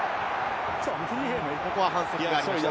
ここは反則がありました。